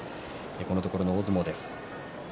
このところの相撲です。